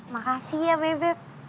makasih ya beb